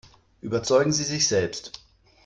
Überzeugen Sie sich selbst!